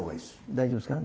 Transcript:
大丈夫ですね。